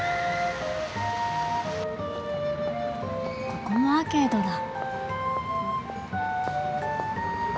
ここもアーケードだ。